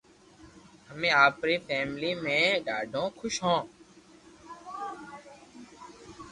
امي آپري فيملي مي ڌاڌو خوݾ